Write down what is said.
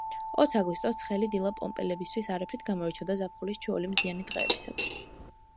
ოც აგვისტოს ცხელი დილა პომპეელებისთვის არაფრით გამოირჩეოდა ზაფხულის ჩვეული მზიანი დღეებისგან.